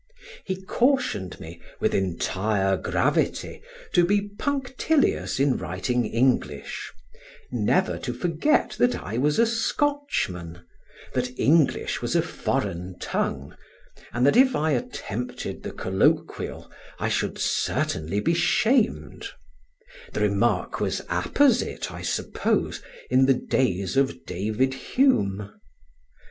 He cautioned me, with entire gravity, to be punctilious in writing English; never to forget that I was a Scotchman, that English was a foreign tongue, and that if I attempted the colloquial, I should certainly be shamed: the remark was apposite, I suppose, in the days of David Hume.